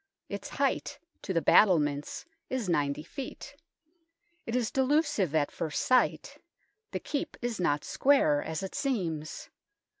Its height to the battlements is 90 ft. It is delusive at first sight ; the Keep is not square, as it seems.